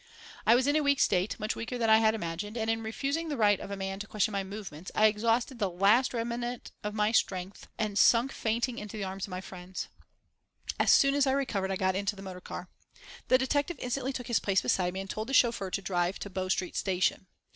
I was in a weak state, much weaker than I had imagined, and in refusing the right of a man to question my movements I exhausted the last remnant of my strength and sank fainting in the arms of my friends. As soon as I recovered I got into the motor car. The detective instantly took his place beside me and told the chauffeur to drive to Bow Street Station.